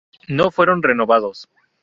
No fueron renovados.